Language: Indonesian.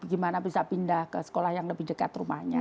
gimana bisa pindah ke sekolah yang lebih dekat rumahnya